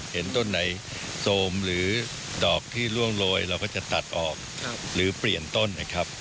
เห็นต้นไหนโซมหรือดอกที่ล่วงโรยเราก็จะตัดออกหรือเปลี่ยนต้นนะครับ